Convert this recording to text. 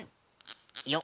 よっ。